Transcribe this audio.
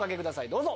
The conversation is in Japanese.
どうぞ！